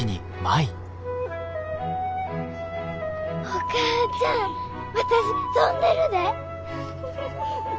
お母ちゃん私飛んでるで！